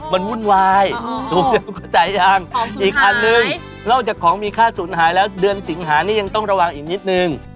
มันวุ่นวายถูกเครื่องเข้าใจยังอีกอันหนึ่งนอกจากของมีค่าสูญหายแล้วเดือนสิงหานี่ยังต้องระวังอีกนิดนึง